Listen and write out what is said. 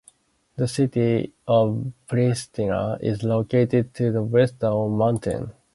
The city of Pristina is located to the west of the mountain.